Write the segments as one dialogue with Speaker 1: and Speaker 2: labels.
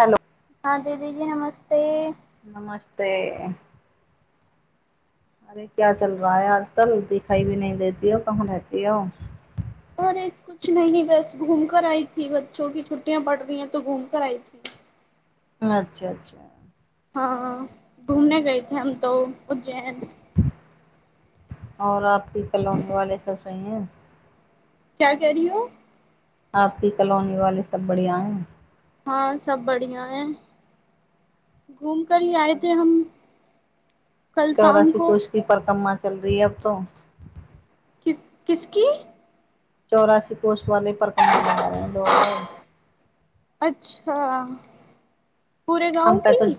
Speaker 1: Hello
Speaker 2: हँ दीदी जी नमस्ते
Speaker 1: नमस्ते अरे क्या चल रहा है आज तल दिखाई भी न देती हो कहाँ रहती हो
Speaker 2: कुछ न बस घूम कर आईथी बच्चो की छु्टियं पढ़ रही ह तो घूम कर आई थी
Speaker 1: अच्छा अच्छा
Speaker 2: हँ घूमने गएथे हम तो उज्जैन
Speaker 1: आओर आपके कलोनी वाले सब सही है
Speaker 2: क्या कह रही हो
Speaker 1: आपकी कलोनी वाले सब बढ़िया है
Speaker 2: हँ सब बढ़िया है घूम करी आएथे हम कल शाम
Speaker 1: चौरासी
Speaker 2: को
Speaker 1: कोश कि परिक्रमा चल रही ह अब तो
Speaker 2: कि किसकी
Speaker 1: चौरासी कोस वाली परिक्रमा लगा रहे है लोगबाग
Speaker 2: अच्छा पूरे
Speaker 1: हम
Speaker 2: गांव
Speaker 1: पे तऽ
Speaker 2: की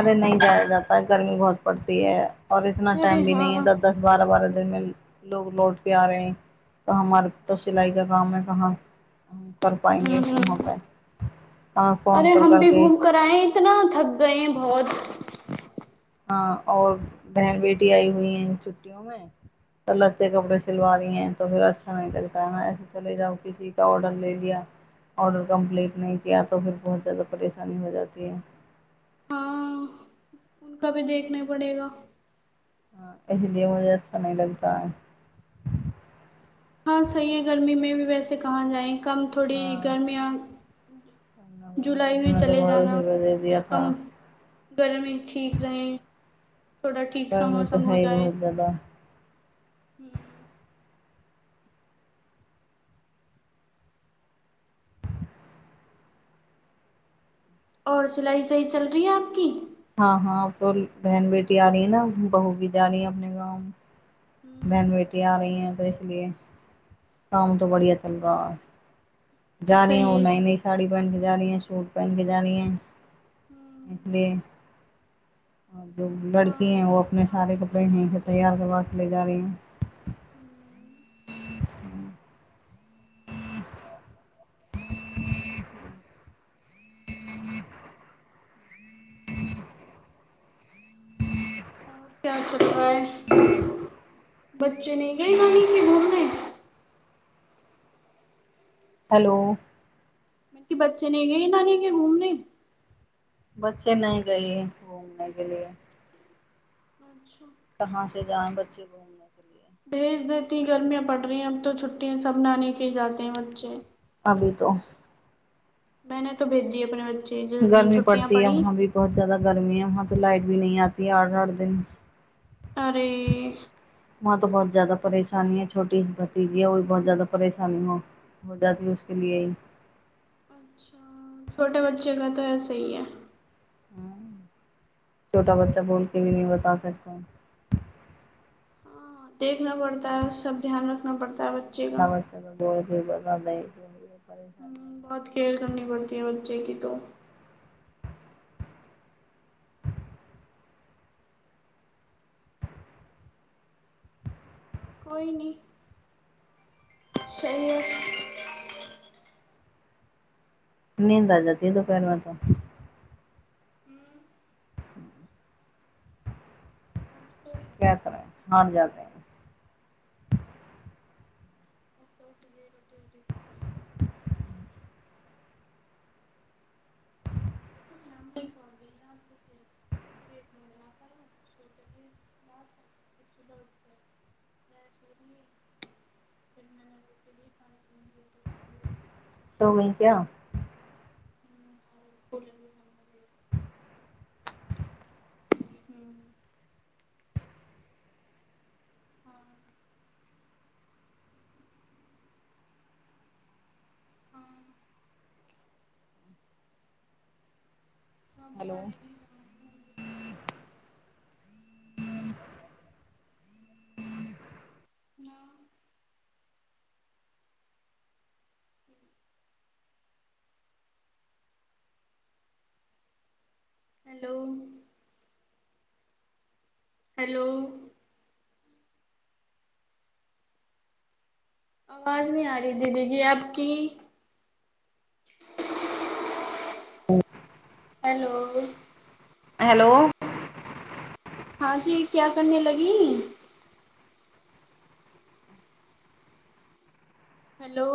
Speaker 1: अरे नहि जाया जाता ह गर्मी बहुत पड़ती है और इतना टाइम
Speaker 2: अरे
Speaker 1: भीं नही है
Speaker 2: हाँ
Speaker 1: दस दस बारह बारह दिन लोग लौट के आ रहे है तऽ हमार त सिलाई का काम है कहाँ कर
Speaker 2: हम्म
Speaker 1: पाएंगे फर वह
Speaker 2: हम्म।
Speaker 1: पे ह फोन
Speaker 2: अरे
Speaker 1: कर
Speaker 2: हम भी
Speaker 1: करके
Speaker 2: घूम कर आए हैं, इतना थक गए बहुत
Speaker 1: हँ और बहन बेटी आई हुई हैं छुट्टियो में तऽ लत्ते कपड़े सिलवा रही हैं फिर अच्छा न लगता ह ऐसे चल जाउ किसी का ऑर्डर ले लिया ऑर्डर कम्प्लीट नहि किया त फिर बहुत ज्यादा परेशानी हो जाती है
Speaker 2: हँ उका भी देखना पड़ेगा
Speaker 1: ह इसलिए मुझे अच्छा न लगता है
Speaker 2: हँ सही है गर्मी मे भी वैसे कहाँ जाए कम थोड़ी
Speaker 1: हाँ
Speaker 2: गर्मियाँ जी
Speaker 1: गांधी
Speaker 2: जुलाई मे
Speaker 1: हमने तो
Speaker 2: चले
Speaker 1: बहुत उसे
Speaker 2: जाना
Speaker 1: बदल दिया
Speaker 2: जब
Speaker 1: था
Speaker 2: कम गर्मी ठीक रहे थोड़ा ठीक सा
Speaker 1: बमे तऽ है बहुत जाददा
Speaker 2: ह्म और सिलाई सही चल रही है आप की
Speaker 1: हँ हँ तो बहन बेटी आ रही है न बहू भी जा रही है अपने गाँव
Speaker 2: हम्म,
Speaker 1: बहन बेटी आ रही है इसलिए काम तो बढ़िया चल रहा है जानी
Speaker 2: सही है
Speaker 1: ओनानहि साड़ी पहन के जा रही है सूट पहन के जा रही ऐै
Speaker 2: हम्म,
Speaker 1: इसलिए आँ जो लड़की
Speaker 2: हाँ
Speaker 1: है वो
Speaker 2: सही
Speaker 1: अपने
Speaker 2: हाँ
Speaker 1: सारे
Speaker 2: में ठीक
Speaker 1: कपड़े हींग
Speaker 2: होना
Speaker 1: के
Speaker 2: चाहिए
Speaker 1: तैयार करबा लेजा रही ऐ
Speaker 2: हम्म, और क्या चल रहा है बच्चे नहीं गए नानी के गांव में
Speaker 1: हलो
Speaker 2: मटी बच्चे नही गये नानी के घूमने
Speaker 1: बच्चे नहीं गई है घूमने के लिए
Speaker 2: अच्छा
Speaker 1: कहाँ से जाए बच्चे घूमने के लिए
Speaker 2: भेज देती गर्मियां पड़ रही है अब त छुटी सब नानी के जाते हैं बच्चे
Speaker 1: बड़ितहु
Speaker 2: मैने तो भेजी अपने बच्चे जिस दिन
Speaker 1: गर्मी
Speaker 2: छुट्टियां
Speaker 1: पड़ती
Speaker 2: पड़ी
Speaker 1: वहाँ भी बहुत ज्यादा गर्मी है वहाँ त लाइट भी नहीं आती आर भर दिन
Speaker 2: अरे
Speaker 1: वहाँ त बहुत ज़्यादा परेशानी है छोटी भतीजी है ओ बहुत ज्यादा परेशानी हो हो जाती है उसके लिए
Speaker 2: अच्छा छोटे बच्चे का तो ऐसे ही है
Speaker 1: ह छोटा बच्चा बोलके भी न बता सकता
Speaker 2: ह देखना पड़ता है सब ध्यान रखना पड़ता है बच्चे
Speaker 1: छोट
Speaker 2: का
Speaker 1: बच्चा का बहुत जे ब नहि
Speaker 2: ह बहुत खेेल करनी पड़ती है बच्चौ की तो कोई ननइ चलो
Speaker 1: नींद आ जाती है दोपहरमे त
Speaker 2: हूं अच्छा
Speaker 1: क्या करें हार जाते हैं
Speaker 2: ओ ओ ज ट करी छ लमब छ लेट सु उठ
Speaker 1: सो गई क्या
Speaker 2: ह [inaudible] [inaudible]
Speaker 1: हेलो
Speaker 2: [inaudible] [inaudible] [inaudible] हेलो हेलो आवाज नहीं आ रही दीदी जी आप की
Speaker 1: [inaudible]
Speaker 2: हैलो
Speaker 1: हेलो
Speaker 2: हँ जी क्या करने लगी हेलो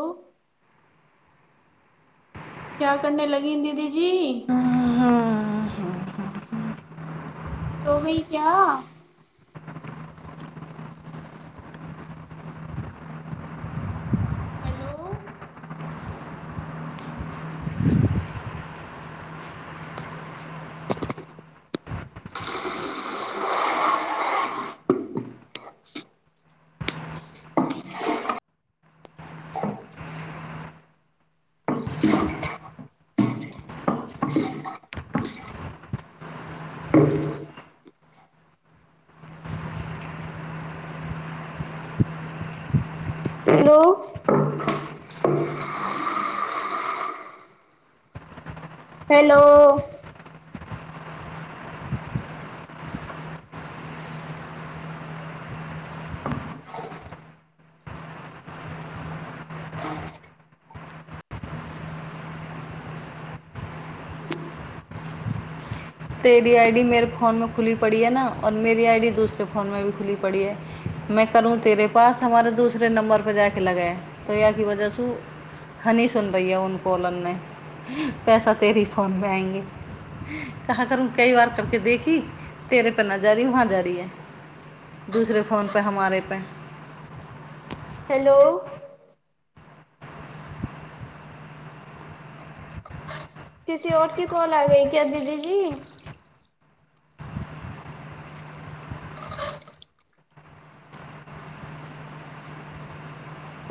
Speaker 2: क्या करने लगी दीदी जी सो गई क्या हेलो [inaudible] हेलो हेलो
Speaker 1: तेरी आई डी मेरे फोनमे खुीली पड़ी है न और मेेरी आई डी दूसरे फोनमे भी खुीली पड़ी है मैं करूँ तेरे पास हमारे दूसरे नंबर पर जााकऽ लगए तो यह की वजहसँ ओ हनी सुन रहि है उ कॉलर नहि पैसा तेर फोनमे आएंगे। कहां करू कई बार करके देखी तेरे पर नहि जा रही है वहाँ जा री है दूसरे फोनपे हमारे पे
Speaker 2: हेलो किसी और क कॉल आ गई क्या दीदी जी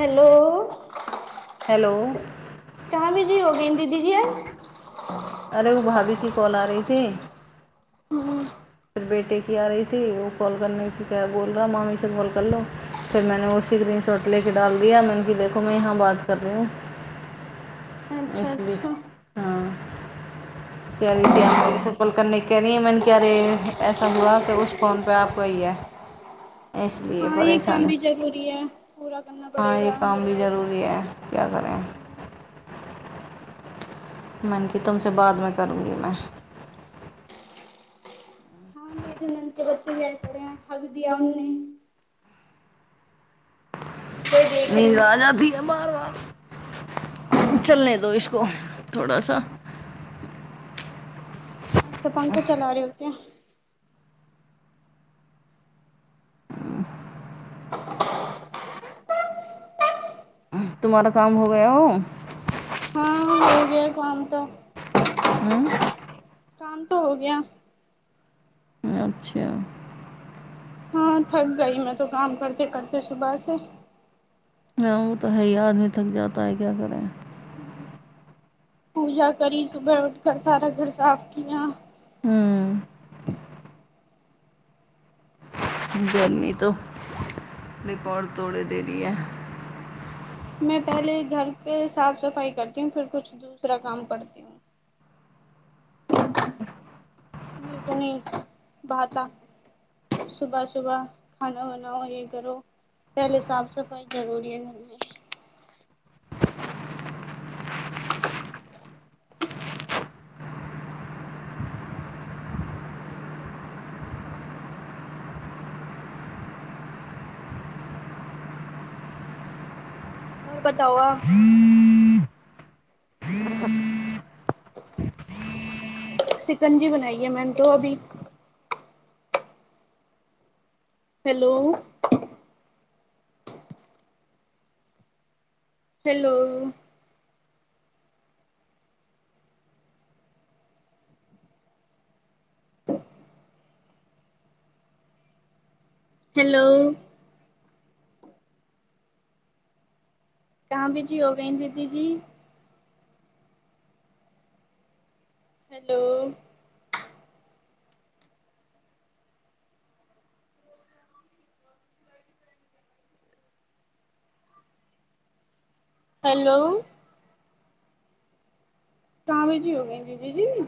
Speaker 2: हेलो
Speaker 1: हेलो
Speaker 2: कहाँ बिजी हो गी दीदी जी य
Speaker 1: अरे ओ भाभी की कल आ रही थी
Speaker 2: आप
Speaker 1: बेटे की आ रही ती ओ कॉल करने की क बोल रहा मामी से कॉल कर लो फर मैने ओ स ग्रीन शॉर्ट लेके डाल दिया मैने किहा देखो मैं यहाँ बात कर रही हू
Speaker 2: अच्छा
Speaker 1: इसलिये
Speaker 2: अच्छा
Speaker 1: हँ कह रही थी आब मेर से कॉल करने क री है मैने क अरे ऐसा हुआ कि उस फोन पे आपकइयए एस सलिए
Speaker 2: हाँ ये काम
Speaker 1: परेशानी
Speaker 2: भी जरूरी है पूरा करना
Speaker 1: हँ ये
Speaker 2: पड़ेगा
Speaker 1: काम
Speaker 2: मिला
Speaker 1: भी
Speaker 2: है तो
Speaker 1: जरूरी है क्या करे
Speaker 2: हम्म,
Speaker 1: मन की तुमसे बादमे करूगी मैं
Speaker 2: हँ मेरी नन्द के बच्चे गए प रहे हैं हक दिया उने [inaudible]
Speaker 1: नींद
Speaker 2: हूँ
Speaker 1: आ जाती है बार बार चलने दो इसको थोड़ा सा
Speaker 2: अच्छा पंख चला रहे हो क्या
Speaker 1: तुम्हारा काम हो गय ओ
Speaker 2: हाँ [unintelligible]
Speaker 1: हँ
Speaker 2: काम तऽ हो गया
Speaker 1: अच्छा
Speaker 2: हँ थक गई मै तो काम करते करते सुबह से
Speaker 1: ह ओ तऽ है ही आदमी थक जाता है क्या करे
Speaker 2: पूजा करी सुबह उठ कर सारा घर साफ किया
Speaker 1: ह्म गर्मी तो रिकॉर्ड
Speaker 2: हम्म,
Speaker 1: तोड़े दे री है [unintelligible]
Speaker 2: में पहिले घरके साफ सफाई करती हू फिर कछ दूसरा काम करती हूँ मे को न बात सुबह सुबह खाना बनाओ ये करो पहले साफ सफाइ जरूरी है आओर बताओ आप सिकनजी बनाइ ह मैने तो अभी हेलो हेलो हेलो कहाँ बिजी हो गय दीदी जी हेलो हेलो कहाँ बिजी हो गई दीदी जी